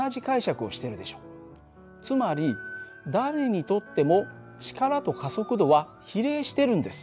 つまり誰にとっても力と加速度は比例してるんです。